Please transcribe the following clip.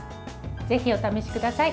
ぜひ、お試しください。